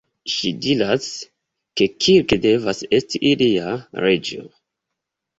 Ŝi diras, ke Kirk devas esti ilia "reĝo".